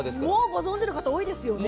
ご存じの方、多いですよね。